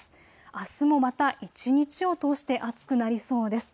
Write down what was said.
あすもまた一日を通して暑くなりそうです。